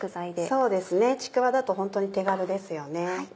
そうですね。ちくわだとホントに手軽ですよね。